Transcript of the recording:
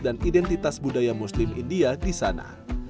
dan identitas budaya muslim india disana